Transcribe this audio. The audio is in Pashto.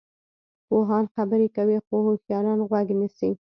پوهان خبرې کوي خو هوښیاران غوږ نیسي.